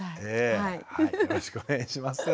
よろしくお願いします。